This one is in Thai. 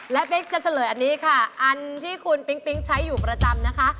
และเป๊กจะเฉลยอันนี้ค่ะอันที่คุณปิ๊งปิ๊งใช้อยู่ประจำนะคะ